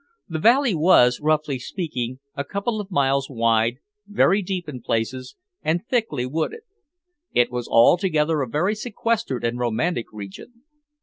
The valley was, roughly speaking, a couple of miles wide, very deep in places, and thickly wooded. It was altogether a very sequestered and romantic region.